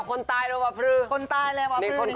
เอาคนตายรึวะเพื่อ